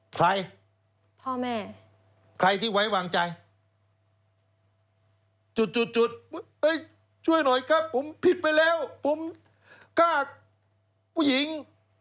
ใครพ่อแม่ใครที่ไว้วางใจจุดจุดช่วยหน่อยครับผมผิดไปแล้วผมกล้าผู้หญิง